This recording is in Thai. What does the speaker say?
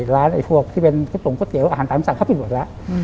ร้านพวกที่เป็นตรงก๋อเตี๋ยวอาหารตามสั่งเขาผิดหมดแล้ว